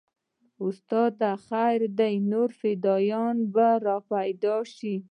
استاده خير دى نور فدايان به راپيدا سي.